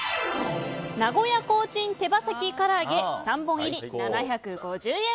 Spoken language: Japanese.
名古屋コーチン手羽先唐揚げ３本入り７５０円。